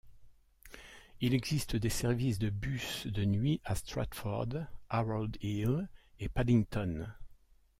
Il existe des services de bus de nuit à Stratford, Harold Hill et Paddington.